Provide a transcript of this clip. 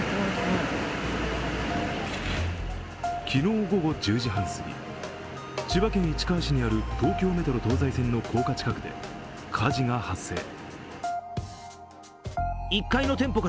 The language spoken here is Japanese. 昨日午後１０時半すぎ、千葉県市川市にある東京メトロ東西線の高架近くで火事が発生。